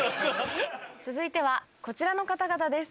続いてはこちらの方々です。